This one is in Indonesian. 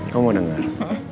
kamu mau denger